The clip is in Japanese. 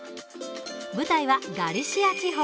舞台はガリシア地方。